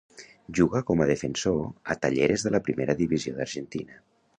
Juga com a defensor a Talleres de la Primera Divisió d'Argentina.